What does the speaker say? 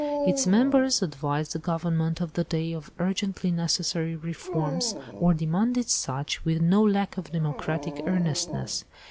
Its members advised the Government of the day of urgently necessary reforms, or demanded such, with no lack of democratic earnestness.